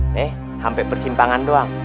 nih hampir persimpangan doang